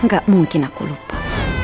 gak mungkin aku lupa